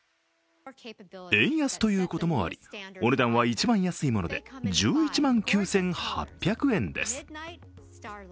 円安ということもあり、お値段は一番安いもので１１万９８００円です。